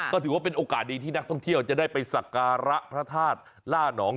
ก็ถือว่าเป็นโอกาสดีที่นักท่องเที่ยวจะได้ไปสักการะพระธาตุล่านอง